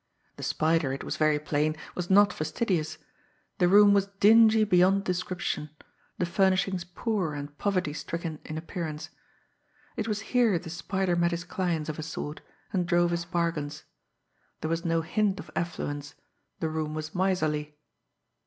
The Spider, it was very plain, was not fastidious! The room was dingy beyond description; the furnishings poor and poverty stricken in appearance. It was here the Spider met his clients of a sort and drove his bargains. There was no hint of affluence the room was miserly.